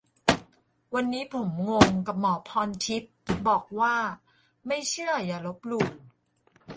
วันนี้ผม งงกับ หมอพรทิพย์ บอกว่า "ไม่เชื่ออย่าลบหลู่" !